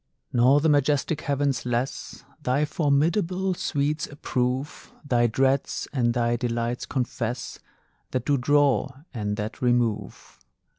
Nor the majestic heavens less Thy formidable sweets approve, Thy dreads and thy delights confess That do draw, and that remove.